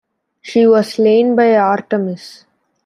She was slain by Artemis.